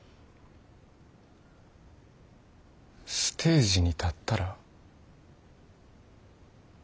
ステージに立ったら？